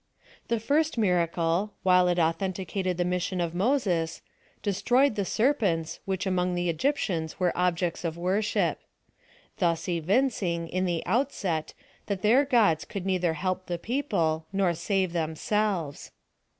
The first miracle, while it authenticated the mis sion of Moses, destroyed the serpents, which among the Egyptians were objects of worship. Thus evin ring , in the outset, that their gods could neither help the people, nor save themselves.